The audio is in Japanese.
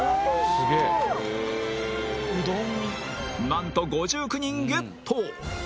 何と５９人ゲット！